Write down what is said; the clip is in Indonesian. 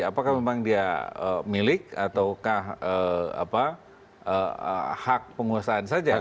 apakah memang dia milik ataukah hak penguasaan saja